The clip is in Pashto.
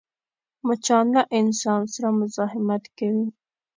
مچان له انسان سره مزاحمت کوي